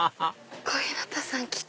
小日向さん来て。